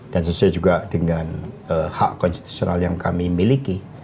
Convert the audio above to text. dan sesuai juga dengan hak konstitusional yang kami miliki